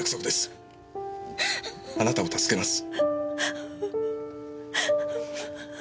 あなたを助けます。